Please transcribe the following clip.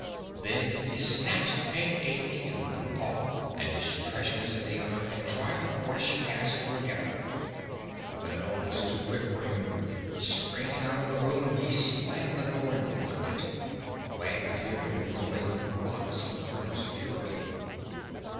Then he snatched Peg Amy in one paw and his treasures in the other and tried to brush past Ruggedo. But the gnome was too quick for him. Springing out of the room, he slammed the door and locked it. Wag could hear him rolling up rocks for further security.